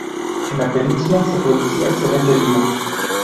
En la península se producía excelente vino.